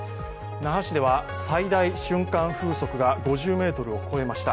那覇市では最大瞬間風速が５０メートルを超えました。